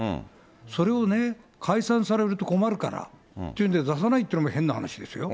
それをね、解散されると困るからっていうんで出さないってのも変な話ですよ。